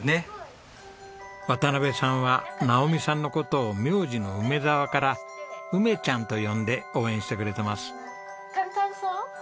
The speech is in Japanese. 渡邊さんは直美さんの事を名字の「梅澤」から「梅ちゃん」と呼んで応援してくれてます。